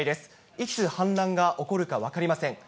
いつ氾濫が起こるか分かりません。